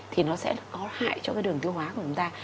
thì nó sẽ có hại cho cái đường tiêu hóa của chúng ta